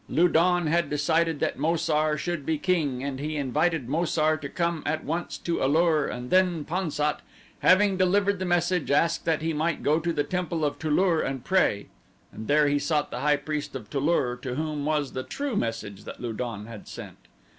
Lu don had decided that Mo sar should be king and he invited Mo sar to come at once to A lur and then Pan sat, having delivered the message, asked that he might go to the temple of Tu lur and pray, and there he sought the high priest of Tu lur to whom was the true message that Lu don had sent.